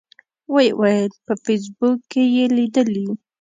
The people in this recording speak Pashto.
و یې ویل په فیسبوک کې یې لیدلي.